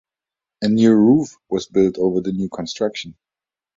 A new roof was built over the new construction.